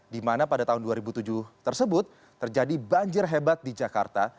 di mana pada tahun dua ribu tujuh tersebut terjadi banjir hebat di jakarta